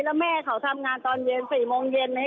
แล้วแม่เขาทำงานตอนเย็น๔โมงเย็น